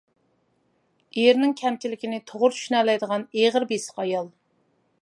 ئېرىنىڭ كەمچىلىكىنى توغرا چۈشىنەلەيدىغان ئېغىر بېسىق ئايال.